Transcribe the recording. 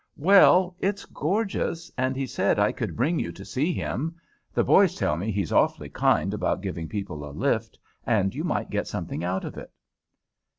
"Well, it's gorgeous, and he said I could bring you to see him. The boys tell me he's awfully kind about giving people a lift, and you might get something out of it."